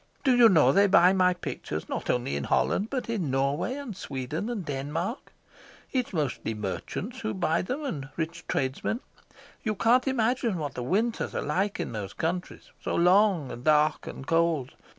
Do you know, they buy my pictures not only in Holland, but in Norway and Sweden and Denmark? It's mostly merchants who buy them, and rich tradesmen. You can't imagine what the winters are like in those countries, so long and dark and cold.